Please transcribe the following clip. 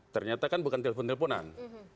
ternyata kan bukan telepon teleponan